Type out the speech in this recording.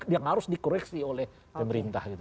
yang harus dikoreksi oleh pemerintah gitu